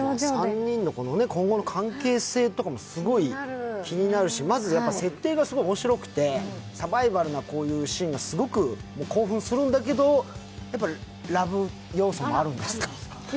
３人の今後の関係性とかもすごい気になるし、まず設定がすごく面白くてサバイバルなこういうシーンがすごく興奮するんだけどラブ要素もあるんですか。